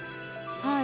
はい。